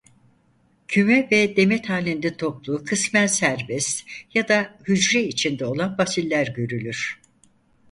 Küme ve demet halinde toplu kısmen serbest ya da hücre içinde olan basiller görülür.